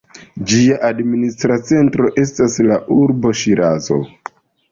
Ĝia administra centro estas la urbo Ŝirazo.